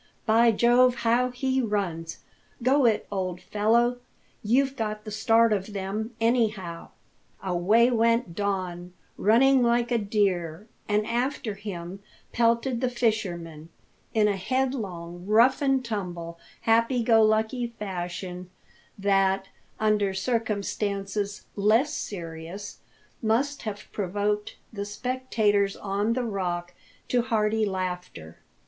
"By Jove, how he runs! Go it, old fellow! you've got the start of them, anyhow." Away went Don, running like a deer, and after him pelted the fishermen, in a headlong, rough and tumble, happy go lucky fashion, that, under circumstances less serious, must have provoked the spectators on the Rock to hearty laughter.